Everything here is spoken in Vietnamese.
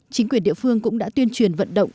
chính quyền địa phương cũng đã tuyên truyền vận động